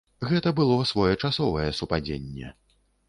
Гэта было своечасовае супадзенне.